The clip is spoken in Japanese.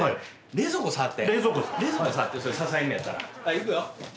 いくよ。